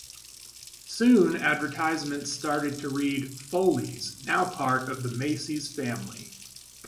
Soon advertisements started to read "Foley's - Now part of the Macy's Family".